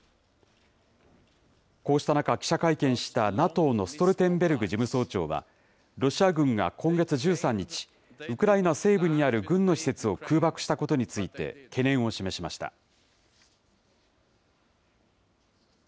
こうした中、記者会見したＮＡＴＯのストルテンベルグ事務総長は、ロシア軍が今月１３日、ウクライナ西部にある軍の施設を空爆したことについて、懸念を示しました。